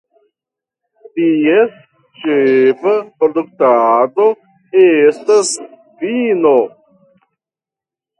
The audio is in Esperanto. Ties ĉefa produktado estas vino.